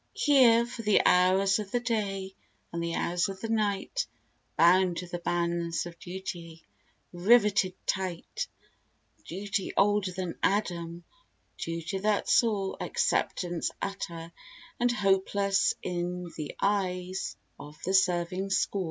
Here for the hours of the day and the hours of the night; Bound with the bands of Duty, rivetted tight; Duty older than Adam Duty that saw Acceptance utter and hopeless in the eyes of the serving squaw.